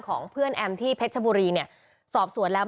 รวมถึงเมื่อวานี้ที่บิ๊กโจ๊กพาไปคุยกับแอมท์ท่านสถานหญิงกลาง